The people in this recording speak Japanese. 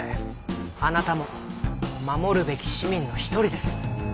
あなたも守るべき市民の一人です。